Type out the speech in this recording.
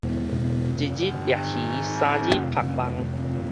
一日掠漁，三日曝網